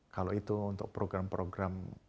kalau itu untuk program program